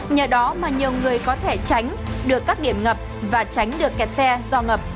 nhờ đó mà nhiều người có thể tránh được các điểm ngập và tránh được kẹt xe do ngập